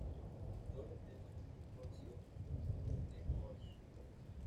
Todos los temas del disco han sido compuestos por The Corrs.